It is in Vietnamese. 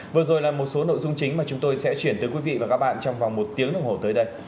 vừa rồi là một số nội dung chính mà chúng tôi sẽ chuyển tới quý vị và các bạn trong vòng một tiếng đồng hồ tới đây